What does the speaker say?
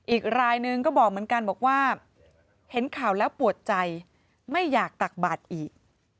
อีกรายหนึ่งก็บอกเห็นข่าวแล้วปวดใจไม่อยากตักบาดอีก